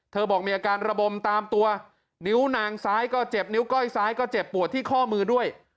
บอกมีอาการระบมตามตัวนิ้วนางซ้ายก็เจ็บนิ้วก้อยซ้ายก็เจ็บปวดที่ข้อมือด้วย